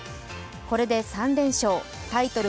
これで３連勝、タイトル